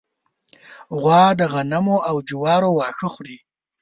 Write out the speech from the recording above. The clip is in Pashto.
غوا د غنمو او جوارو واښه خوري.